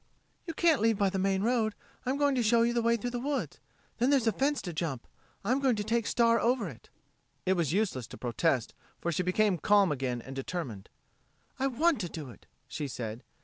"You can't leave by the main road. I'm going to show you the way through the woods. Then there's a fence to jump. I'm going to take Star over it." It was useless to protest, for she became calm again and determined. "I want to do it," she said.